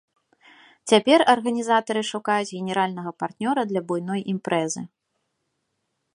Цяпер арганізатары шукаюць генеральнага партнёра для буйной імпрэзы.